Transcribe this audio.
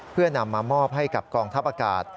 เพื่อนำมามอบให้กับกองทัพอากาศ